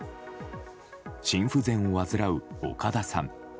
心不全を患う岡田さん。